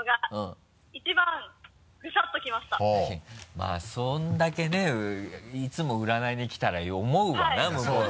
まぁそれだけねいつも占いに来たら思うわな向こうの。